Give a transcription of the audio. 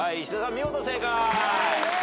見事正解。